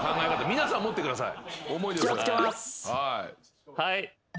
皆さん持ってください。